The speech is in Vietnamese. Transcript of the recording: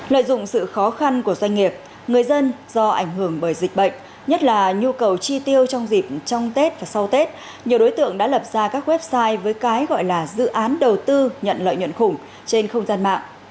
lợi dụng sự khó khăn của doanh nghiệp người dân do ảnh hưởng bởi dịch bệnh nhất là nhu cầu chi tiêu trong dịp trong tết và sau tết nhiều đối tượng đã lập ra các website với cái gọi là dự án đầu tư nhận lợi nhuận khủng trên không gian mạng